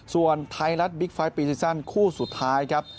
ส่วนไทยรัฐบิ๊กไฟล์ปีซีซั่นคู่สุดท้ายครับ